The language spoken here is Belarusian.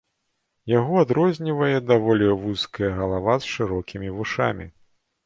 Яго адрознівае даволі вузкая галава з шырокімі вушамі.